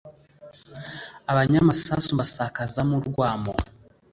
Abanya Musasu mbasakazamo urwamo